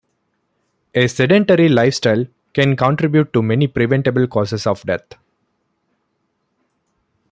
A sedentary lifestyle can contribute to many preventable causes of death.